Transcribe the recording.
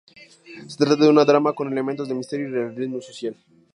Se trata de un drama con elementos de misterio y realismo social.